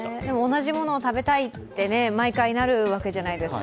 同じものを食べたいって毎回なるわけじゃないですか。